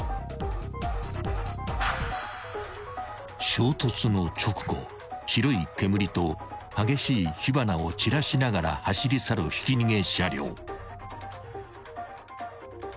［衝突の直後白い煙と激しい火花を散らしながら走り去るひき逃げ車両］